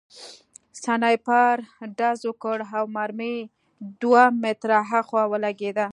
سنایپر ډز وکړ او مرمۍ دوه متره هاخوا ولګېده